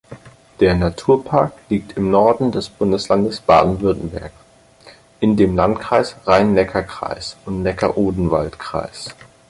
Der Naturpark liegt im Norden des Bundeslands Baden-Württemberg in den Landkreisen Rhein-Neckar-Kreis und Neckar-Odenwald-Kreis.